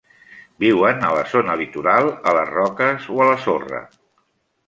Viuen a la zona litoral, a les roques o a la sorra.